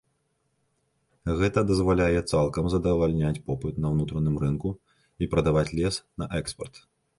Гэта дазваляе цалкам задавальняць попыт на ўнутраным рынку і прадаваць лес на экспарт.